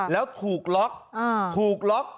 แล้วถูกล็อก